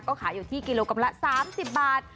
ก็ขายอยู่ที่กิโลกรัมละ๓๐บาท